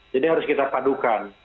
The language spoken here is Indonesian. jadi harus kita padukan